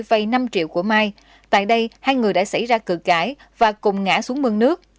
vay năm triệu của mai tại đây hai người đã xảy ra cử cãi và cùng ngã xuống mương nước